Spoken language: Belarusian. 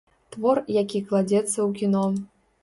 Твор, які кладзецца ў кіно.